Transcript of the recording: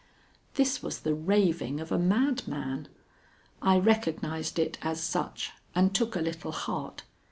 This was the raving of a madman. I recognized it as such, and took a little heart.